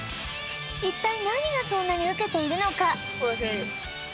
一体何がそんなにウケているのかおいしいです